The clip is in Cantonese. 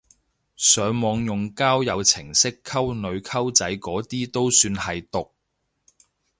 上網用交友程式溝女溝仔嗰啲都算係毒！